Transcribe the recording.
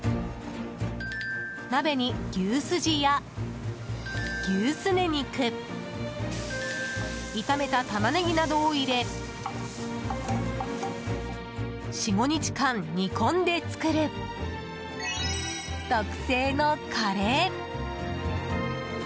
鍋に牛すじや牛すね肉炒めたタマネギなどを入れ４５日間煮込んで作る特製のカレー。